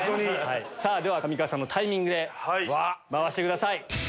では上川さんのタイミングで回してください。